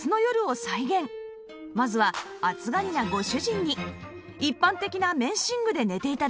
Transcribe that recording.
まずは暑がりなご主人に一般的な綿寝具で寝て頂きました